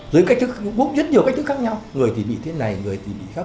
dưới bút có rất nhiều cách thức khác nhau người thì bị thế này người thì bị khác